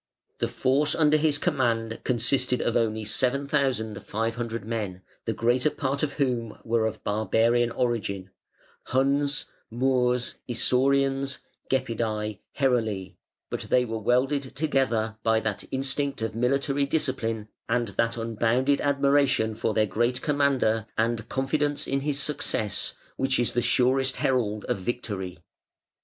The force under his command consisted of only 7,500 men, the greater part of whom were of barbarian origin Huns, Moors, Isaurians, Gepidse, Heruli, but they were welded together by that instinct of military discipline and that unbounded admiration for their great commander and confidence in his success which is the surest herald of victory.